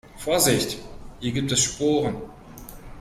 Vorsicht, hier gibt es Sporen.